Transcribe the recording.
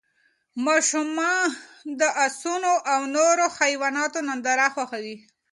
ماشومان د اسونو او نورو حیواناتو ننداره خوښوي.